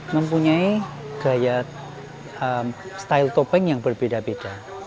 mempunyai gaya style topeng yang berbeda beda